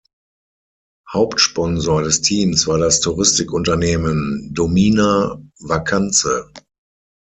Hauptsponsor des Teams war das Touristikunternehmen "Domina Vacanze".